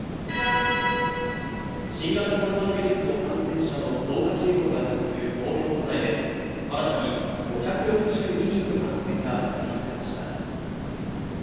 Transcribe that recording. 新型コロナウイルスの感染者の増加傾向が続く東京都内で、新たに５６２人の感染が確認されました。